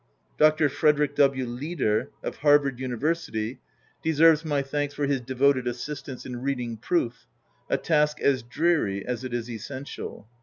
Dr. Frederick W. Lieder, of Harvard Uni versity, deserves my thanks for his devoted assistance in reading proof, a task as dreary as it is essential.